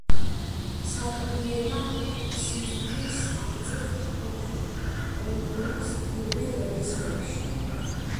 საკმიელა სიმწიფეს აღწევს ოქტომბრის პირველ რიცხვებში.